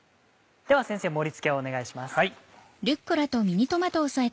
では先生盛り付けをお願いします。